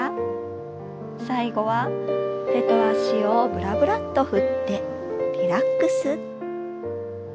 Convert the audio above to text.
最後は手と足をぶらぶらと振ってリラックス。